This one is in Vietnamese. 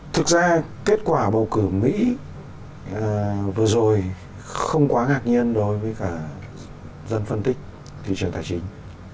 thực ra kết quả bầu cử mỹ vừa rồi không quá ngạc nhiên đối với cả dân phân tích thị trường tài chính